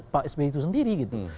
pak sby itu sendiri gitu